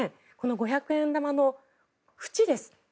五百円玉の縁です。